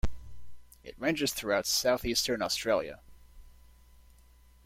It ranges throughout south-eastern Australia.